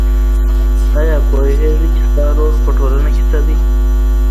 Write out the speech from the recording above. آیا پوهېږې چې ستا رول په ټولنه کې څه دی؟